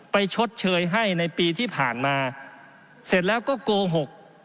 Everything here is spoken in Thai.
ชดเชยให้ในปีที่ผ่านมาเสร็จแล้วก็โกหก